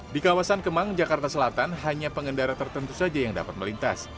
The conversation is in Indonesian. di kawasan kemang jakarta selatan hanya pengendara tertentu saja yang dapat melintas